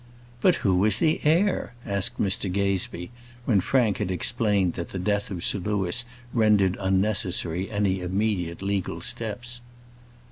"But who is the heir?" asked Mr Gazebee, when Frank had explained that the death of Sir Louis rendered unnecessary any immediate legal steps.